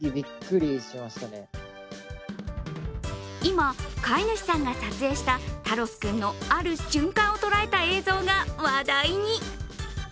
今、飼い主さんが撮影したタロス君のある瞬間を捉えた映像が話題に。